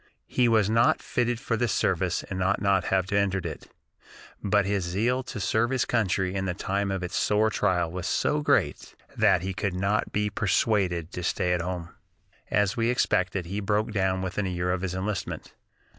He was not fitted for the service and ought not to have entered it, but his zeal to serve his country in the time of its sore trial was so great that he could not be persuaded to stay at home. As we expected, he broke down within a year of his enlistment.